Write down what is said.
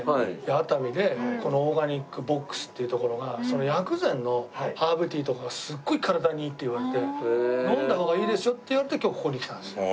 熱海でこのＯｒｇａｎｉｃＢｏｘっていう所が薬膳のハーブティーとかがすごい体にいいって言われて飲んだ方がいいですよって言われて今日ここに来たんですよ。